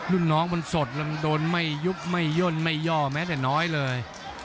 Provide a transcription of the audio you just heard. รุ่นน้องมันสดแล้วมันโดนไม่ยุบไม่ย่นไม่ย่อแม้แต่น้อยเลย